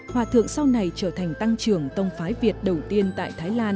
hòa thượng sau này trở thành tăng trưởng tông phái việt đầu tiên tại thái lan